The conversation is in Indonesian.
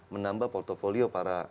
menambah portfolio para